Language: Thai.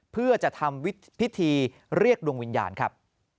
เพื่อจะทำพิธีเรียกดวงวิญญาณครับ